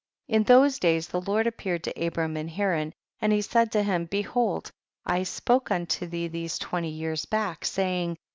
22. In those days the Lord ap peared to Abram in Haran, and he said to him, behold, I spoke unto thee these twenty years back saying, 23.